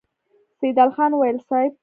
سيدال خان وويل: صېب!